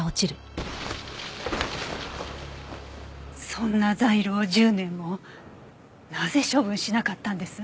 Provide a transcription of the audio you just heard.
そんなザイルを１０年もなぜ処分しなかったんです？